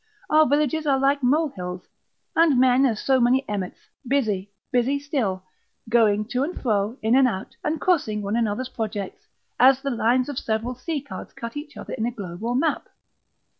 Our villages are like molehills, and men as so many emmets, busy, busy still, going to and fro, in and out, and crossing one another's projects, as the lines of several sea cards cut each other in a globe or map.